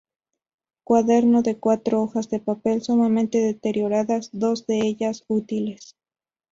Cuaderno de cuatro hojas de papel, sumamente deterioradas, dos de ellas útiles.